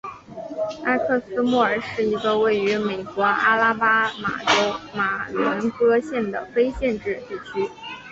埃克斯莫尔是一个位于美国阿拉巴马州马伦戈县的非建制地区。